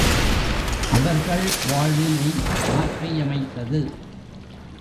அவர்கள் வாழ்வினை மாற்றியமைத்தது.